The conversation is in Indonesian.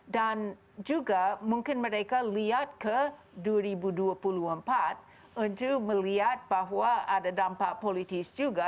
dan juga mungkin mereka lihat ke dua ribu dua puluh empat untuk melihat bahwa ada dampak politis juga